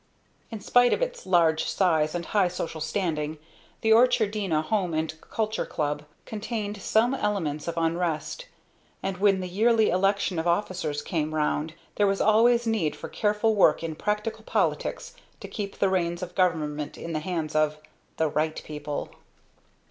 In spite of its large size and high social standing, the Orchardina Home and Culture Club contained some elements of unrest, and when the yearly election of officers came round there was always need for careful work in practical politics to keep the reins of government in the hands of "the right people."